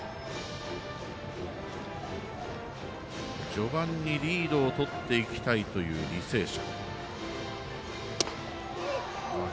序盤にリードをとっていきたいという履正社。